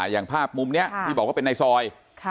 อย่างภาพมุมนี้ที่บอกว่าเป็นในซอย